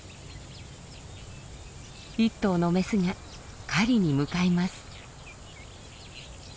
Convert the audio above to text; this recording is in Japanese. １頭のメスが狩りに向かいます。